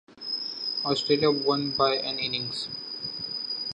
Australia won by an innings.